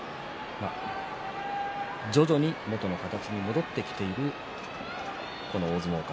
徐々に元の形に戻ってきている大相撲界。